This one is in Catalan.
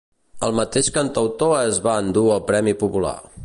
El mateix cantautor es va endur el Premi Popular.